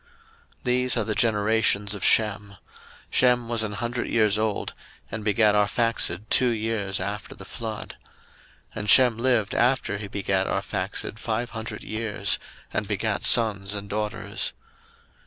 01:011:010 These are the generations of Shem: Shem was an hundred years old, and begat Arphaxad two years after the flood: 01:011:011 And Shem lived after he begat Arphaxad five hundred years, and begat sons and daughters.